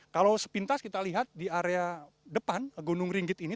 kalau sepintas kita lihat di area depan gunung ringgit ini